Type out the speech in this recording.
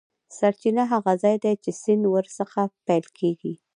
سرچینه هغه ځاي دی چې سیند ور څخه پیل کیږي.